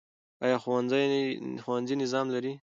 ایا ښوونځي نظم لري؟